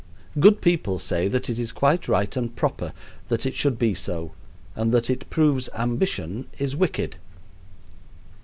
Good people say that it is quite right and proper that it should be so, and that it proves ambition is wicked.